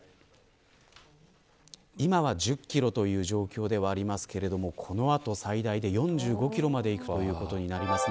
今は１０キロという状況ではありますけれどもこの後、最大で４５キロまでいくということになります。